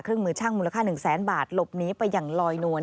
เครื่องมือช่างมูลค่าหนึ่งแสนบาทหลบหนีไปอย่างลอยนวน